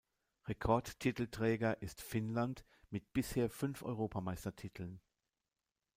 Rekordtitelträger ist Finnland mit bisher fünf Europameistertiteln.